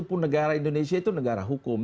walaupun negara indonesia itu negara hukum